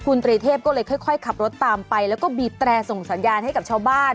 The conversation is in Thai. คุณตรีเทพก็เลยค่อยขับรถตามไปแล้วก็บีบแตรส่งสัญญาณให้กับชาวบ้าน